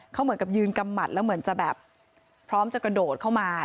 เขาเหมือนกับยืนกำหมัดแล้วเหมือนจะแบบพร้อมจะกระโดดเข้ามา